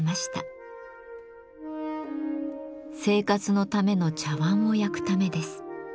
生活のための茶わんを焼くためです。